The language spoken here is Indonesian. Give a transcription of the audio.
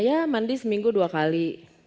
iya mandi seminggu dua kali